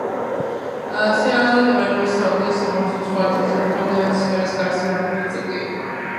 სიმაღლეზე ტემპერატურის ცვალებადობის, სიმკვრივისა და სხვა თვისებების მიხედვით დედამიწის ჰაერის გარსი რამდენიმე ნაწილად იყოფა.